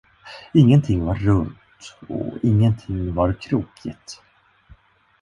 Ingenting var runt, och ingenting var krokigt.